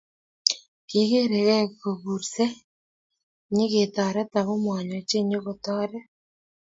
kikerei kei ko kursei nyeketoret ako manyo chi nyokotoret